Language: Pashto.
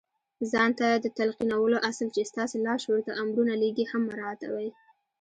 ځان ته د تلقينولو اصل چې ستاسې لاشعور ته امرونه لېږي هم مراعتوئ.